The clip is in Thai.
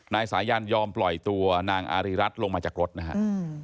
นายสายันยอมปล่อยตัวนางอารีรัฐลงมาจากรถนะครับ